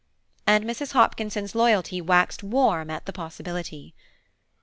And Mrs. Hopkinson's loyalty waxed warm at the possibility.